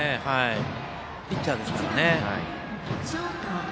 ピッチャーですからね。